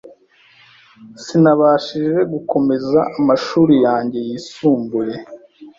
sinabashije gukomeza amashuri yanjye yisumbuye,